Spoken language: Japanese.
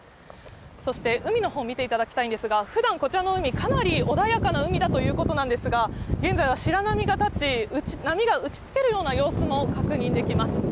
そして海のほう見ていただきたいんですけれども、ふだん、こちらの海、かなり穏やかな海だということなんですが、現在は白波が立ち、波が打ちつけるような様子も確認できます。